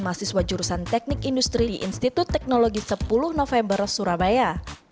mahasiswa jurusan teknik industri di institut teknologi sepuluh november surabaya